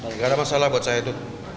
nggak ada masalah buat saya itu